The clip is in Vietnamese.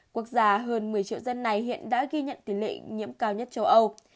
quốc gia hơn một mươi triệu dân này hiện đã ghi nhận tỷ lệ nhiễm cao nhất châu âu